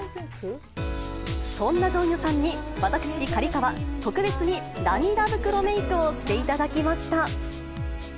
そんなジョンヨさんに私、刈川、特別に涙袋メークをしていただきました。